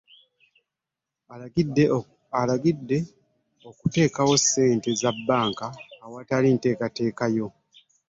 Abalabudde obuteewola ssente za bbanka awatali nteekateeka yaazo